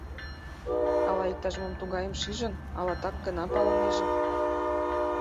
Ала иктаж-мом тугайым шижын, ала так гына палынеже.